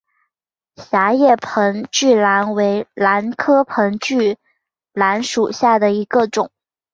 狭叶盆距兰为兰科盆距兰属下的一个种。